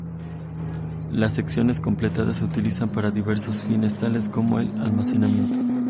Las secciones completadas se utilizan para diversos fines, tales como el almacenamiento.